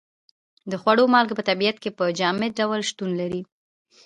د خوړو مالګه په طبیعت کې په جامد ډول شتون لري.